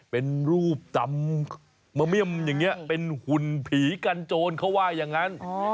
เป็นรูปจำมะเมี่ยมอย่างนี้เป็นหุ่นผีกันโจรเขาว่าอย่างนั้น